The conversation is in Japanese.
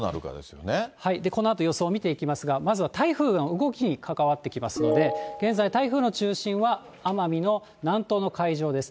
このあと、予想を見ていきますが、まずは台風の動きに関わってきますので、現在、台風の中心は奄美の南東の海上です。